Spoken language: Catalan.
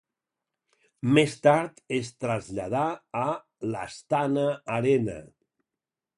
Més tard es traslladà a l'Astana Arena.